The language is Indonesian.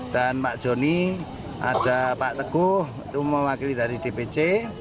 dan pak joni ada pak teguh semua wakili dari dpc